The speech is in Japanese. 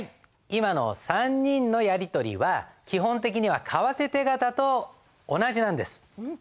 今の３人のやり取りは基本的には為替手形と同じなんです。